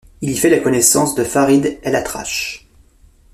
Il y fait la connaissance de Farid El Atrache.